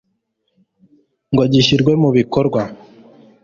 ngo gishyirwe mu bikorwa,